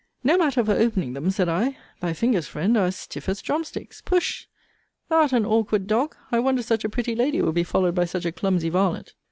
No matter for opening them, said I: thy fingers, friend, are as stiff as drum sticks. Push! Thou'rt an awkward dog! I wonder such a pretty lady will be followed by such a clumsy varlet.